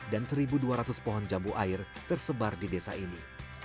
dan satu dua ratus pohon jambu air tersebar di desa ini